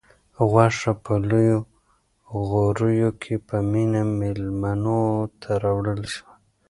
غوښه په لویو غوریو کې په مینه مېلمنو ته راوړل شوه.